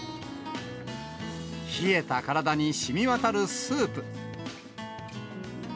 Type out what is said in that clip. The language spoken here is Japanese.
冷えた体にしみ渡るスープ。